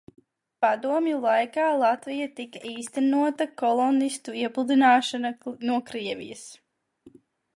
Padomju laikā, Latvijā tika īstenota kolonistu iepludināšana no Krievijas.